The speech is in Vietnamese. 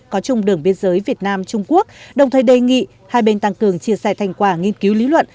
có chung đường biên giới việt nam trung quốc đồng thời đề nghị hai bên tăng cường chia sẻ thành quả nghiên cứu lý luận